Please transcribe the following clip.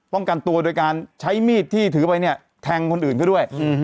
กันตัวโดยการใช้มีดที่ถือไปเนี่ยแทงคนอื่นเขาด้วย